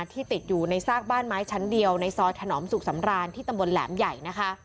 ที่ติดอยู่ในซากบ้านไม้ชั้นเดียวในซอดถนอมสุกสำราญที่ตะบนแหลมใหญ่